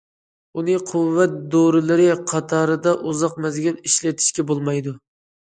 ئۇنى قۇۋۋەت دورىلىرى قاتارىدا ئۇزاق مەزگىل ئىشلىتىشكە بولمايدۇ.